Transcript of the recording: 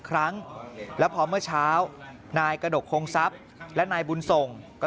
ครั้งแล้วพอเมื่อเช้านายกระดกคงทรัพย์และนายบุญส่งก็